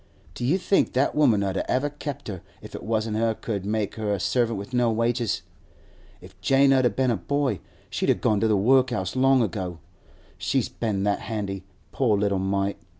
Do you think that woman 'ud ever have kept her if it wasn't she could make her a servant with no wages? If Jane 'ud been a boy, she'd a gone to the workhouse long ago. She's been that handy, poor little mite!